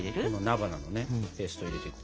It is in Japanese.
菜花のねペースト入れていく。